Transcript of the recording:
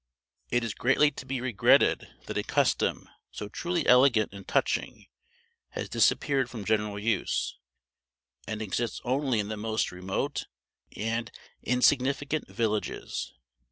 It is greatly to be regretted that a custom so truly elegant and touching has disappeared from general use, and exists only in the most remote and insignificant villages.